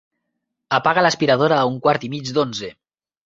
Apaga l'aspiradora a un quart i mig d'onze.